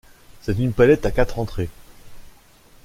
C'est une palette à quatre entrées.